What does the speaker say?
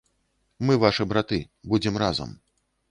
Мы вашы браты, будзем разам.